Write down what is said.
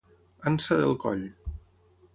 Ansa del coll.